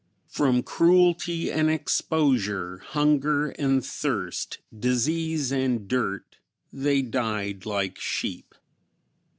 From cruelty and exposure, hunger and thirst, disease and dirt, they died like sheep.